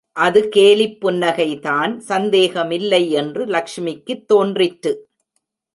அது கேலிப் புன்னகைதான் சந்தேகமில்லை என்று லக்ஷ்மிக்குத் தோன்றிற்று.